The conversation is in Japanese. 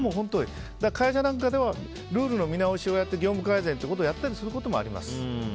会社なんかではルールの見直しをやって業務改善をやったりすることもあります。